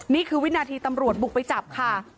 นี่คือวินาทีตำรวจบุกไปจับค่ะ